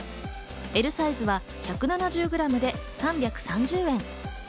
Ｌサイズは１７０グラムで３３０円。